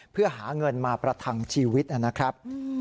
เพื่อหาเงินมาประทังชีวิตนะครับ